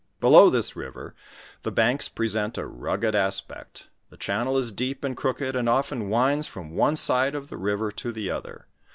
Below this river the banks present a rugged ospect ; the channel is deep and crooked, and often winds from one side of the river to the other.